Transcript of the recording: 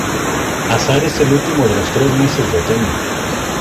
Azar es el último de los tres meses de otoño.